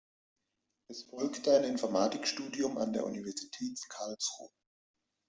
Es folgte ein Informatik-Studium an der Universität Karlsruhe.